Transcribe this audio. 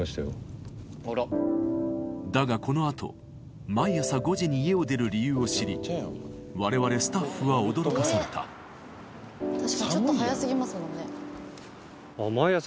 だがこの後毎朝５時に家を出る理由を知り我々スタッフは驚かされた確かにちょっと早過ぎますもんね。